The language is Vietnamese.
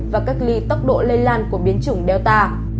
và cách ly tốc độ lây lan của biến chủng delta